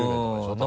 多分。